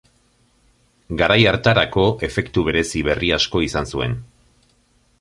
Garai hartarako efektu berezi berri asko izan zuen.